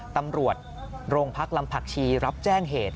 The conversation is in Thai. ตำรวจโรงพักลำผักชีรับแจ้งเหตุ